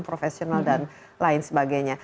profesional dan lain sebagainya